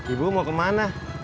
ibu mau kemana